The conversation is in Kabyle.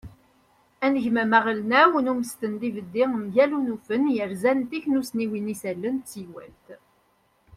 anegmam aɣelnaw n umesten d yibeddi mgal unufen yerzan tiknussniwin n yisallen d teywalt